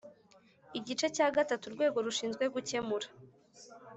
Igice cya gatatu Urwego rushinzwe gukemura